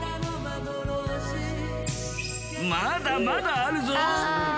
まだまだあるぞ。